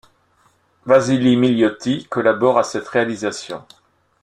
Vassili Millioti collabore à cette réalisation.